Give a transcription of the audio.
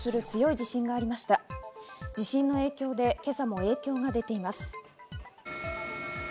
地震の影響で今朝も影響が出ています。